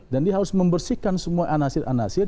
dan dia harus membersihkan semua anasir anasir